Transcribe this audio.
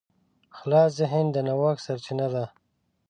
خلاص ذهن د نوښت سرچینه ده.